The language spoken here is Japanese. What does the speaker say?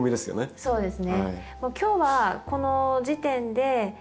そうですね。